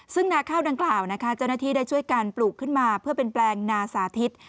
ซึ่งนาข้าวดังกล่าวนะคะเจ้าหน้าที่ได้ช่วยการปลูกขึ้นมาเพื่อเป็นแปลงนาสาธิต